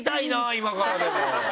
今からでも。